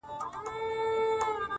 د په زړه کي اوښکي’ د زړه ویني – ويني’